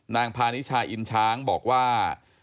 พานิชาอินช้างบอกว่า